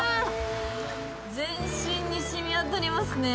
全身にしみ渡りますね。